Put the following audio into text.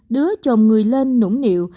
đứa chồng người lên nũng niệu